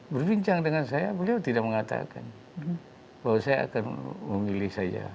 berbincang dengan saya beliau tidak mengatakan bahwa saya akan memilih saya